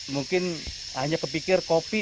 mungkin hanya kepikir kopi